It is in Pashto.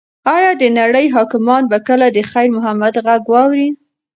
ایا د نړۍ حاکمان به کله د خیر محمد غږ واوري؟